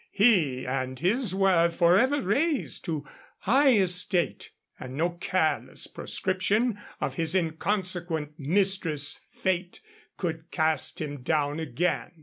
He and his were forever raised to high estate, and no careless proscription of his inconsequent Mistress Fate could cast him down again.